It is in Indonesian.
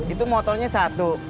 itu motornya satu